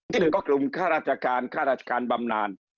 หนึ่งก็กลุ่มค่าราชการค่าราชการบำนาน